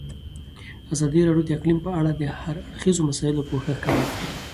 ازادي راډیو د اقلیم په اړه د هر اړخیزو مسایلو پوښښ کړی.